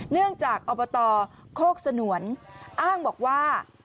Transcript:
เนื่องจากอบตโคกสนวนอ้างบอกว่า